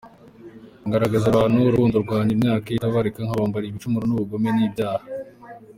Ngaragariza abantu urukundo rwanjye imyaka itabarika, nkababarira ibicumuro n’ubugome n’ibyaha.